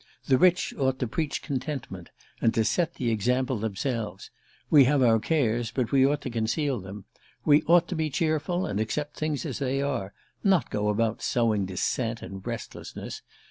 The rich ought to preach contentment, and to set the example themselves. We have our cares, but we ought to conceal them. We ought to be cheerful, and accept things as they are not go about sowing dissent and restlessness.